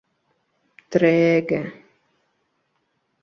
treege